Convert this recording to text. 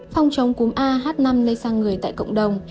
phòng chống cúm a h năm lây sang người tại cộng đồng